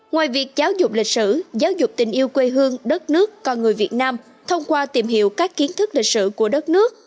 ngoài việc giáo dục lịch sử giáo dục tình yêu quê hương đất nước con người việt nam thông qua tìm hiểu các kiến thức lịch sử của đất nước